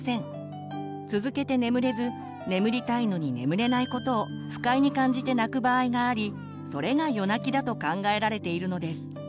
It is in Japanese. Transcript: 続けて眠れず眠りたいのに眠れないことを不快に感じて泣く場合がありそれが夜泣きだと考えられているのです。